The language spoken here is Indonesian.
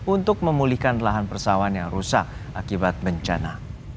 untuk memulihkan lahan persawan yang rusak akibat bencana